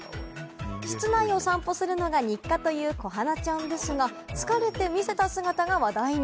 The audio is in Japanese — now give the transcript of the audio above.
室内を散歩するのが日課というこはなちゃんですが、疲れて見せた姿が話題に。